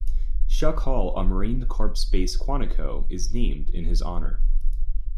Shuck Hall on Marine Corps Base Quantico is named in his honor.